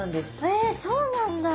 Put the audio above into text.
へえそうなんだ。